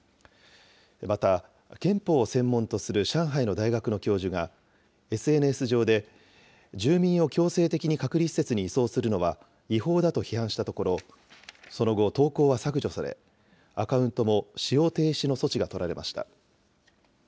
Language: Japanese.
また、憲法を専門とする上海の大学の教授が、ＳＮＳ上で住民を強制的に隔離施設に移送するのは違法だと批判したところ、その後、投稿は削除され、アカウントも使用停止の措置が取られました。